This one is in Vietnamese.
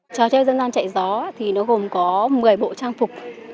trò chơi dân dân chạy rõ thì nó gồm có một mươi bộ trang phục